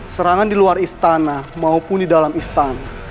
serangan di luar istana maupun di dalam istana